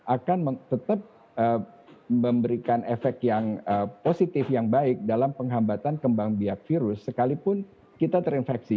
akan tetap memberikan efek yang positif yang baik dalam penghambatan kembang biak virus sekalipun kita terinfeksi